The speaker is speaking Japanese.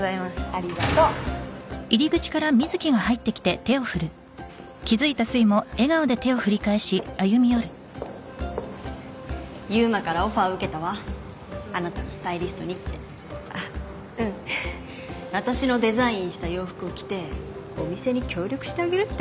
ありがとう悠馬からオファー受けたわあなたのスタイリストにってあっうん私のデザインした洋服を着てお店に協力してあげるって？